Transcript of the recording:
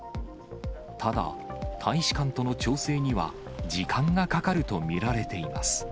ただ、大使館との調整には、時間がかかると見られています。